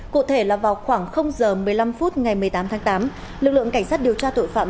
cụ thể là vào khoảng giờ một mươi năm phút ngày một mươi tám tháng tám lực lượng cảnh sát điều tra tội phạm